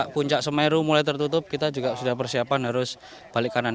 puncak semeru mulai tertutup kita juga sudah persiapan harus balik kanan